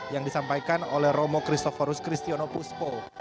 yang disampaikan oleh romo kristoforus kristianopuspo